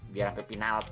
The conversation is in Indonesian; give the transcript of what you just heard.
biar sampe penalti